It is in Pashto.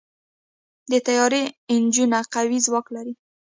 د طیارې انجنونه قوي ځواک لري.